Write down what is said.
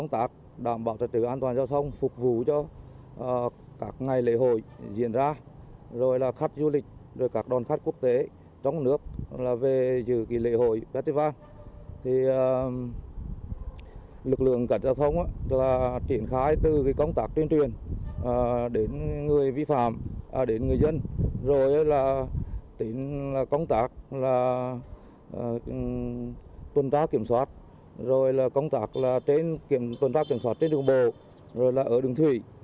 tôn tác kiểm soát rồi là công tác là tôn tác kiểm soát trên đường bồ rồi là ở đường thủy